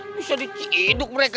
bisa diciduk mereka